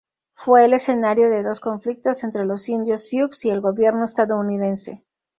Fue el escenario de dos conflictos entre los indios Sioux y el gobierno estadounidense.